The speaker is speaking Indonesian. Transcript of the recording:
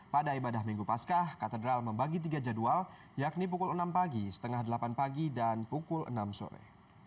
pada ibadah minggu pasca katedral membagi tiga jadwal yakni pukul enam pagi setengah delapan pagi dan pukul enam sore